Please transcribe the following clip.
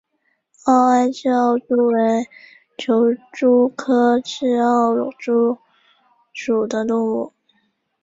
螯埃齿螯蛛为球蛛科齿螯蛛属的动物。